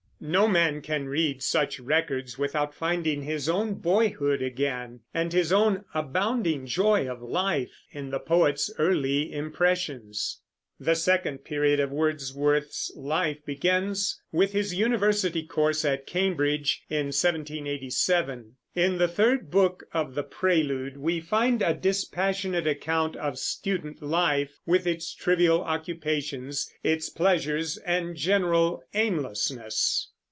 No man can read such records without finding his own boyhood again, and his own abounding joy of life, in the poet's early impressions. The second period of Wordsworth's life begins with his university course at Cambridge, in 1787. In the third book of The Prelude we find a dispassionate account of student life, with its trivial occupations, its pleasures and general aimlessness.